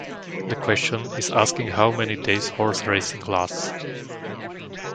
The question is asking how many days horse racing lasts.